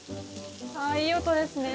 いい音ですね！